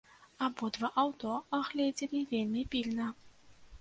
Абодва аўто агледзелі вельмі пільна.